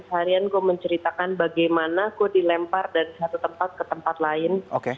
seharian gue menceritakan bagaimana gue dilempar dari satu tempat ke tempat lain